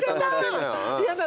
やだ